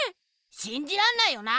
しんじらんないよな！